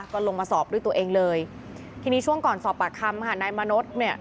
ก็ลงมาสอบด้วยตัวเองเลยทีนี้ช่วงก่อนสอบปากคำค่ะนายมณฑเนี่ย